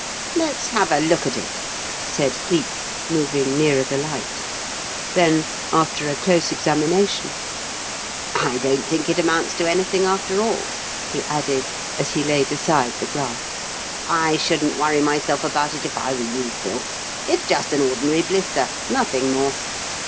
"Let's have a look at it," said Cleek, moving nearer the light. Then, after a close examination, "I don't think it amounts to anything, after all," he added, as he laid aside the glass. "I shouldn't worry myself about it if I were you, Phil. It's just an ordinary blister, nothing more.